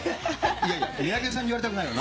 いやいや三宅さんに言われたくないよな。